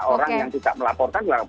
orang yang tidak melaporkan